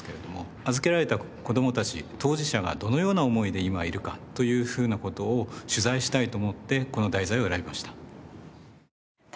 預けられた子供たち当事者がどのような思いで今いるかというふうな事を取材したいと思ってこの題材を選びました。